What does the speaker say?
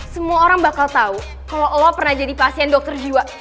semua orang bakal tahu kalau lo pernah jadi pasien dokter jiwa